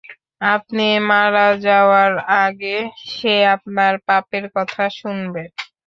আপনি মারা যাওয়ার আগে সে আপনার পাপের কথা শুনবে।